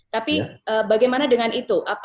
tapi bagaimana dengan itu